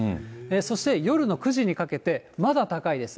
そして夜の９時にかけて、まだ高いです。